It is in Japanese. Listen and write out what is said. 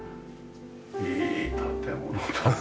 いい建物だね。